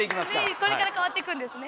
これから変わっていくんですね。